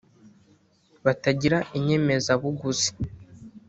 batagira inyemezabuguzi